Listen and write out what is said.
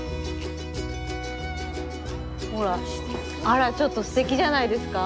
あらちょっとすてきじゃないですか。